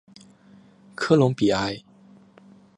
科隆比埃。